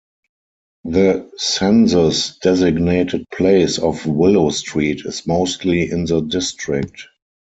The census-designated place of Willow Street is mostly in the district.